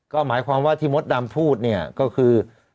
ก็หมายความว่าที่มดดำพูดเนี่ยก็คือ